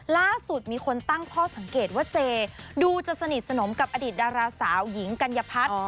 ล่าสุดมีคนตั้งข้อสังเกตว่าเจดูจะสนิทสนมกับอดีตดาราสาวหญิงกัญญพัฒน์